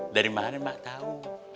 dari mana emak tau